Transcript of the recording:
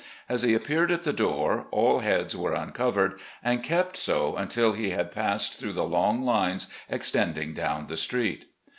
As he appeared at the door, all heads were uncovered and kept so \mtil he had passed through the long lines extending down the street.